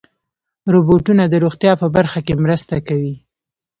روبوټونه د روغتیا په برخه کې مرسته کوي.